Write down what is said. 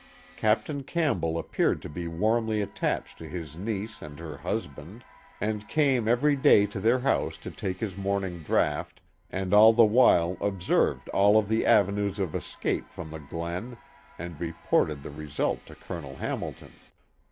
Cap tain Campbell appeared to be warmly attached to his niece and her husband, and came every day to their house to take his morning draught, and all the while observed all of the avenues of escape from the glen, and reported the result to Colonel Hamilton.